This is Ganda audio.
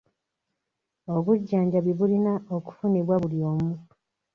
Obujjanjabi bulina okufunibwa buli omu.